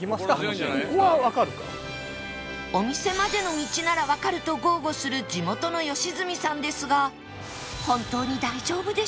お店までの道ならわかる！と豪語する地元の良純さんですが本当に大丈夫でしょうか？